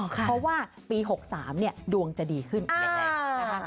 เพราะว่าปี๖๓ดวงจะดีขึ้นอ่า